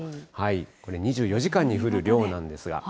これ、２４時間に降る量なんですが。